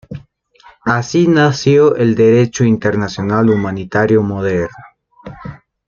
Así nació el derecho internacional humanitario moderno.